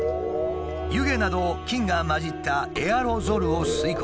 湯気など菌が混じったエアロゾルを吸い込み